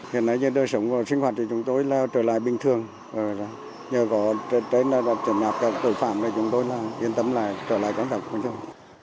hiện nay như đời sống và sinh hoạt thì chúng tôi là trở lại bình thường nhờ có trở lại các tội phạm thì chúng tôi là yên tâm lại trở lại có thật